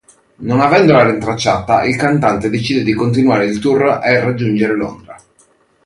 Non avendola rintracciata il cantante decide di continuare il tour e raggiungere Londra.